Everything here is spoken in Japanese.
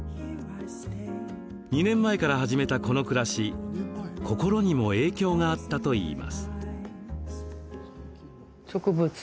２年前から始めた、この暮らし心にも影響があったといいます。